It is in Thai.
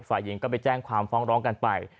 ฝ่ายหญิงก็ไปแจ้งความฟ้องร้องกันไป